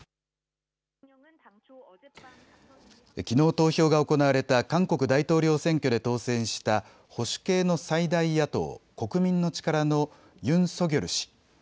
きのう投票が行われた韓国大統領選挙で当選した保守系の最大野党、国民の力のユンソギョル氏。